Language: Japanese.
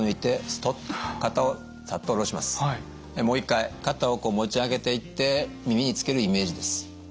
もう一回肩をこう持ち上げていって耳につけるイメージです。